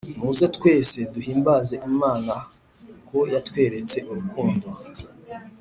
Muze twese ,duhimbaze imana ko yatweretse urukundo.